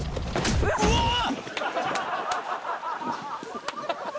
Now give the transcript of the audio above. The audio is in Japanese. うわっ。